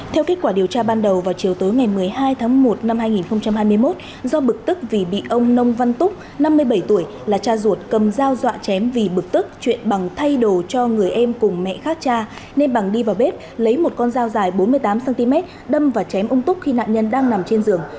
theo kết quả điều tra ban đầu vào chiều tối ngày một mươi hai tháng một năm hai nghìn hai mươi một do bực tức vì bị ông nông văn túc năm mươi bảy tuổi là cha ruột cầm dao dọa chém vì bực tức chuyện bằng thay đồ cho người em cùng mẹ khác cha nên bằng đi vào bếp lấy một con dao dài bốn mươi tám cm đâm và chém ông túc khi nạn nhân đang nằm trên giường